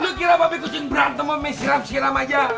lo kira pak bebek kucing berantem emang mie siram siram aja